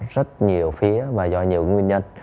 rất nhiều phía và do nhiều nguyên nhân